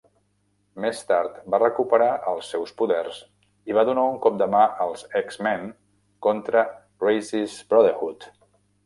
Més tard, va recuperar els seus poders i va donar un cop de mà als X-Men contra Raze's Brotherhood.